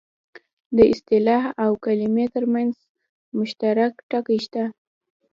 د اصطلاح او کلمې ترمنځ مشترک ټکي شته